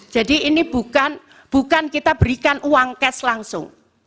jadi ini bukan kita berikan uang cash langsung